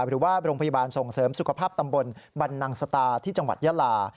หรือว่าโรงพยาบาลส่งเสริมสุขภาพตำบลบันนังสตาที่จังหวัดยาลา